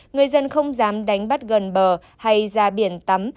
người dân không dám đánh bắt gần bờ hay ra biển tắm